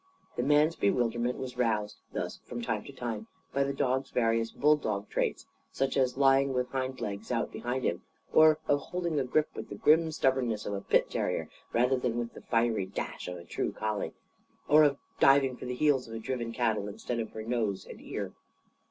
The man's bewilderment was roused, thus, from time to time, by the dog's various bulldog traits, such as lying with hindlegs out behind him, or of holding a grip with the grim stubbornness of a pit terrier rather than with the fiery dash of a true collie, or of diving for the heels of driven cattle instead of for nose and ear.